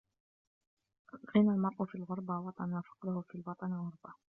غنى المرء في الغربة وطن وفقره في الوطن غربة